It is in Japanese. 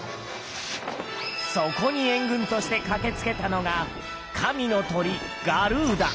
そこに援軍として駆けつけたのが神の鳥ガルーダ。